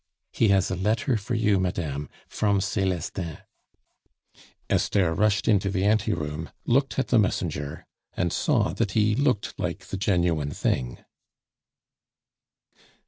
"He has a letter for you, madame, from Celestin." Esther rushed into the ante room, looked at the messenger, and saw that he looked like the genuine thing.